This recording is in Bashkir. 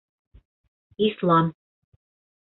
Ислам.